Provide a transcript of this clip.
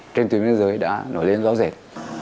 trên tuyến thế giới đã nổi lên rõ rệt